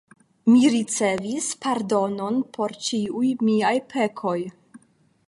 Mi ricevis pardonon por ĉiuj miaj pekoj!